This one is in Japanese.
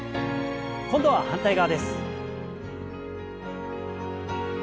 今度は反対側です。